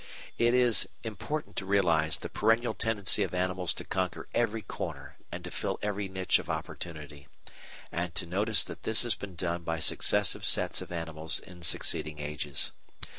It is important to realise the perennial tendency of animals to conquer every corner and to fill every niche of opportunity, and to notice that this has been done by successive sets of animals in succeeding ages.